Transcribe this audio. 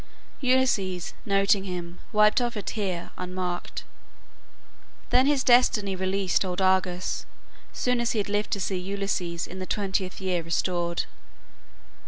Ulysses, noting him, wiped off a tear Unmarked. ... Then his destiny released Old Argus, soon as he had lived to see Ulysses in the twentieth year restored."